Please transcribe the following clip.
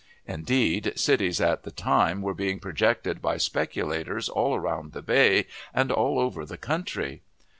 Indeed, cities at the time were being projected by speculators all round the bay and all over the country.